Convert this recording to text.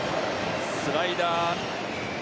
スライダー。